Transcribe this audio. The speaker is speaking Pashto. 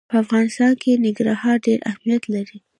په افغانستان کې ننګرهار ډېر اهمیت لري.